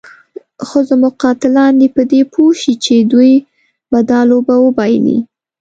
خو زموږ قاتلان دې په دې پوه شي چې دوی به دا لوبه وبایلي.